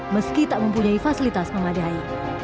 meski tak mempunyai fasilitas memadai